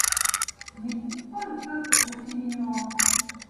Mais pourquoi le peuple est-il ignorant ?